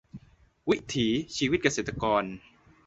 วิถีชีวิตเกษตรกร